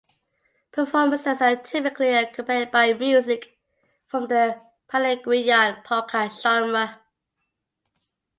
Performances are typically accompanied by music from the Paraguayan polka genre.